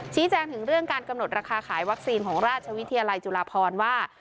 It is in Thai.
แจ้งถึงเรื่องการกำหนดราคาขายวัคซีนของราชวิทยาลัยจุฬาพรว่า